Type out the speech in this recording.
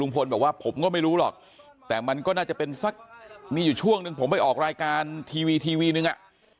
บอกว่าผมก็ไม่รู้หรอกแต่มันก็น่าจะเป็นสักมีอยู่ช่วงหนึ่งผมไปออกรายการทีวีทีวีนึงอ่ะ